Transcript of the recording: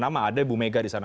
nama ada ibu mega di sana